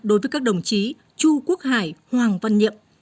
đối với các đồng chí chu quốc hải hoàng văn nhiệm